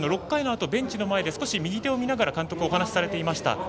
６回のあと、ベンチで少し右手を見ながら監督、お話されていました。